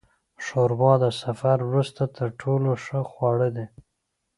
ښوروا د سفر وروسته تر ټولو ښه خواړه ده.